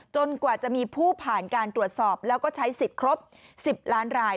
กว่าจะมีผู้ผ่านการตรวจสอบแล้วก็ใช้สิทธิ์ครบ๑๐ล้านราย